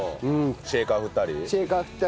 シェーカー振ったり？